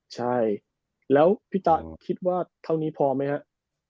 ใช่แล้วพี่ตะคิดว่าเท่านี้พอไหมครับ